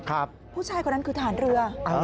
ผู้ชายคนนั้นคือทหารเรือ